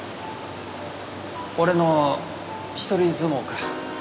俺の一人相撲か。